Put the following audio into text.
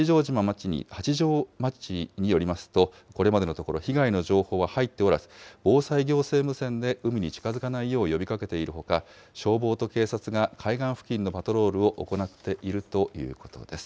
八丈町によりますとこれまでのところ被害の情報は入っておらず、防災行政無線で海に近づかないようかけているほか、消防がパトロールを行っているということです。